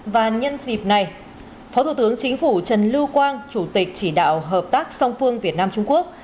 và nhân dịp này phó thủ tướng chính phủ trần lưu quang chủ tịch chỉ đạo hợp tác song phương việt nam trung quốc